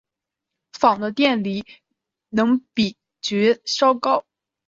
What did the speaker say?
钫的电离能比铯稍高。